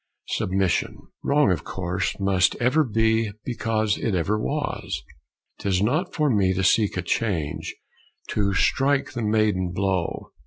Submission: "Wrong of course must ever be Because it ever was. 'Tis not for me To seek a change; to strike the maiden blow.